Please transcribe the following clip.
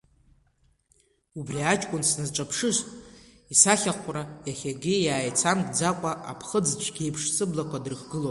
Убри аҷкәын сназҿаԥшыз исахьахәра иахьагьы иааицамкӡакәа, аԥхыӡ цәгьеиԥш сыблақәа дрыхгылоуп.